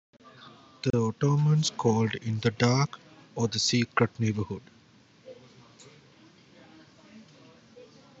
The Ottomans called it the "dark" or the "secret" neighborhood.